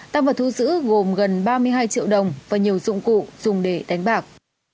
tăng vật thu giữ gồm gần ba mươi hai triệu đồng và nhiều dụng cụ dùng để đánh bạc